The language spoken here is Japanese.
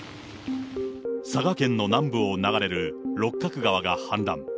佐賀県の南部を流れる六角川が氾濫。